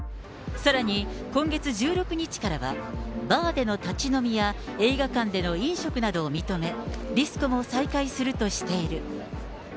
さらに、今月１６日からは、バーでの立ち飲みや映画館での飲食などを認め、ディスコも再開するとしている。